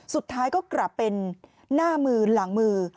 สุดท้ายก็กลับเป็นหน้ามือหลังมือ